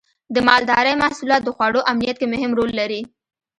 د مالدارۍ محصولات د خوړو امنیت کې مهم رول لري.